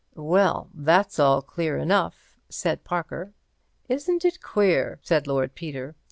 "Well, that's all clear enough," said Parker. "Isn't it queer?" said Lord Peter.